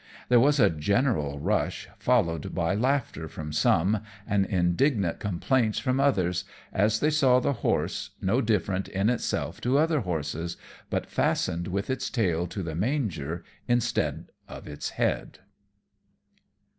There was a general rush, followed by laughter from some, and indignant complaints from others, as they saw the horse, no different in itself to other horses, but fastened with its tail to the manger instead of its head.